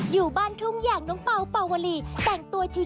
อยู่บ้านทุ่งอย่างน้องเปล่าเป่าวลีแต่งตัวชิว